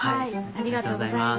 ありがとうございます。